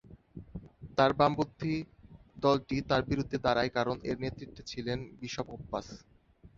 তাঁর বামপন্থী দলটি তাঁর বিরুদ্ধে দাঁড়ায় কারণ এর নেতৃত্বে ছিলেন বিশপ ওপ্পাস।